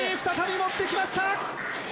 再び持ってきました。